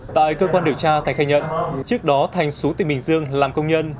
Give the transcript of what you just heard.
tại cơ quan điều tra thành khai nhận trước đó thành xú tỉnh bình dương làm công nhân